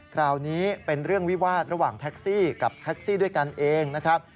คราวนี้เป็นเรื่องวิวาสระหว่างแท็กซี่กับแท็กซี่ด้วยกันเองนะครับ